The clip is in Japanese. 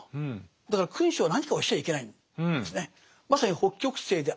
だから君主は何かをしちゃいけないんですね。